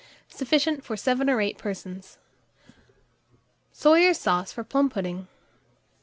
Sufficient for 7 or 8 persons. SOYER'S SAUCE FOR PLUM PUDDING.